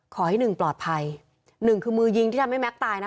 ขอให้หนึ่งปลอดภัยหนึ่งคือมือยิงที่ทำให้แก๊กตายนะ